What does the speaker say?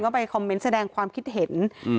คนก็ไปคอมเม้นท์แสดงความคิดเห็น